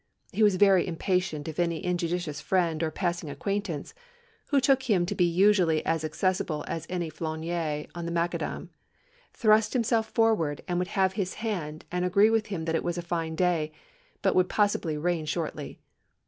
'... He was very impatient if any injudicious friend or passing acquaintance (who took him to be usually as accessible as any flâneur on the macadam), thrust himself forward and would have his hand and agree with him that it was a fine day, but would possibly rain shortly.